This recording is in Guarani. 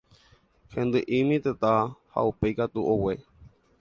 Hendy'imi tata ha upéi katu ogue.